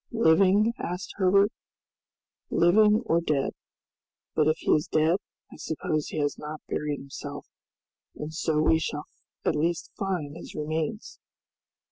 "Living?" asked Herbert. "Living or dead. But if he is dead, I suppose he has not buried himself, and so we shall at least find his remains!"